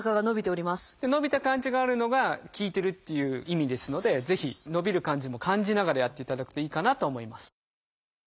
伸びた感じがあるのが効いてるっていう意味ですのでぜひ伸びる感じも感じながらやっていただくといいかなと思います。